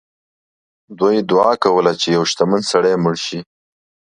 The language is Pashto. دوی دعا کوله چې یو شتمن سړی مړ شي.